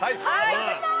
頑張ります！